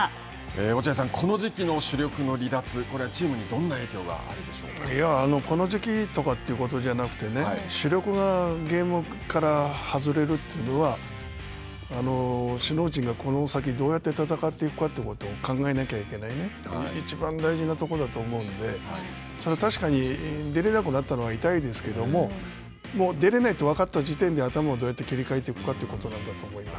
落合さん、この時期の主力の離脱、これはチームにどんな影響がこの時期とかということじゃなくて、主力がゲームから外れるというのは、首脳陣がこの先、どうやって戦っていくかということを考えなきゃいけないいちばん大事なとこだと思うんで、それは確かに出れなくなったのは痛いですけども、出られないと分かった時点で頭をどうやって切り替えていくかということなんだと思います。